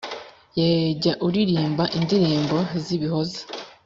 Yeee jya uririmba indirimbo zibihozo